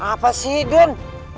apa sih den